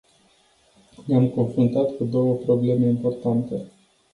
Ne-am confruntat cu două probleme importante.